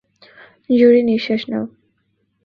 জোরে নিশ্বাস নাও।